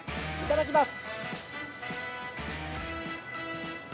いただきます。